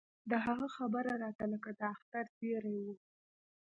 د هغه خبره راته لکه د اختر زېرى و.